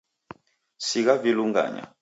Sigha vilunganya.